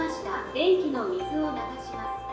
便器の水を流します」。